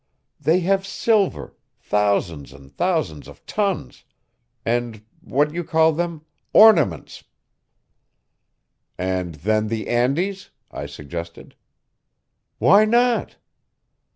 They have silver thousands and thousands of tons and what you call them? Ornaments." "And then the Andes?" I suggested. "Why not?"